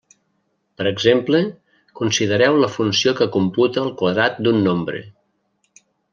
Per exemple, considereu la funció que computa el quadrat d'un nombre.